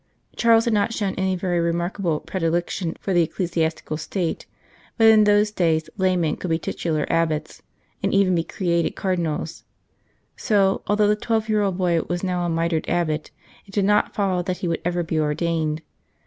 Charles had not shown any very remarkable predilection for the ecclesiastical state, but in those days laymen could be titular Abbots, and even be created Cardinals; so, although the twelve year old boy was now a mitred Abbot, it did not follow that he would ever be ordained.